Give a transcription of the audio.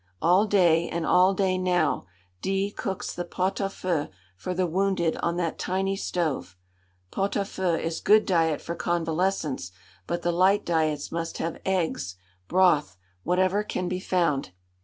All day, and all day now, D cooks the pot à feu for the wounded on that tiny stove. Pot à feu is good diet for convalescents, but the "light diets" must have eggs, broth, whatever can be found.